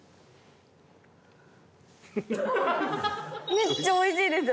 めっちゃ美味しいです！